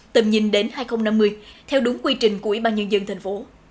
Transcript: tầm nhìn đến hai nghìn năm mươi theo đúng quy trình của ủy ban nhân dân tp